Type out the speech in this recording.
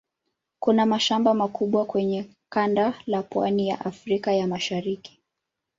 Kuna mashamba makubwa kwenye kanda la pwani ya Afrika ya Mashariki.